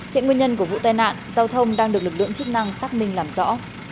hiện nguyên nhân của vụ tai nạn giao thông đang được lực lượng chức năng xác minh làm rõ